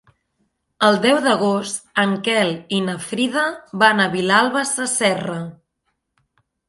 El deu d'agost en Quel i na Frida van a Vilalba Sasserra.